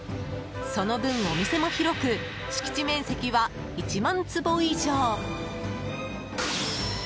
その分お店も広く敷地面積は１万坪以上。